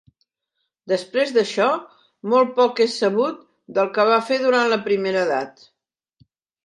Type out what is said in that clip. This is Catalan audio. Després d'això, molt poc és sabut del que va fer durant la Primera Edat.